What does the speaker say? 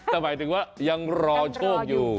แต่หมายถึงว่ายังรอโชคอยู่